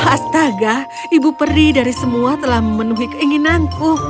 astaga ibu peri dari semua telah memenuhi keinginanku